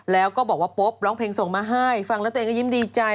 แล้วก็บอกว่าโป๊บร้องเพลงส่งมาให้ฟังแล้วตัวเองก็ยิ้มดีใจ